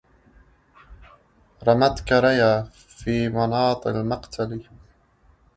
رمتك ريا في مناط المقتل